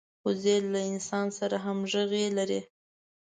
وزې له انسان سره همږغي لري